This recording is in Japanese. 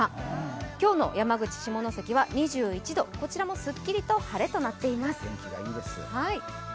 今日の山口・下関は２１度、こちらもすっきりと晴れとなっています。